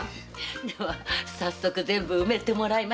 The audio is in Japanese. では早速全部埋めてもらいましょう。